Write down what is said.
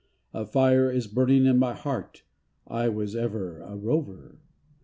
A fire is burning in my heart, I was ever a rover.